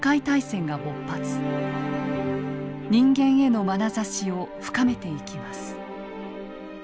人間へのまなざしを深めていきます。